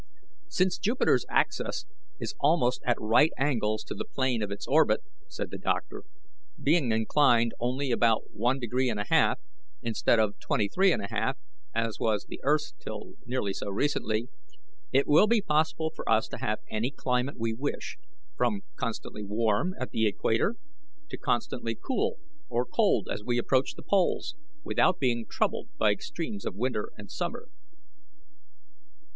"Since Jupiter's axis is almost at right angles to the plane of its orbit," said the doctor, "being inclined only about one degree and a half, instead of twenty three and a half, as was the earth's till nearly so recently, it will be possible for us to have any climate we wish, from constantly warm at the equator to constantly cool or cold as we approach the poles, without being troubled by extremes of winter and summer."